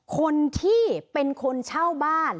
คนที่เป็นคนเช่าบ้าน